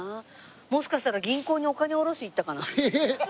もしかしたら銀行にお金おろしに行ったかな？